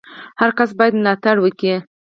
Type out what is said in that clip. هر کس ئې بايد ملاتړ وکي!